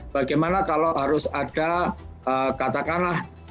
bagaimana kalau harus ada katakanlah